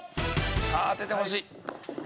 さあ当ててほしい。